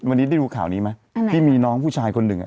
วันนี้ได้ดูข่าวนี้ไหมที่มีน้องผู้ชายคนหนึ่ง